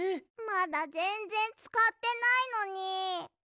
まだぜんぜんつかってないのに。